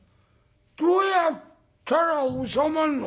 どうやったら収まんの？」。